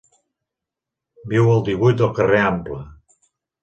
Viu al divuit del carrer Ample.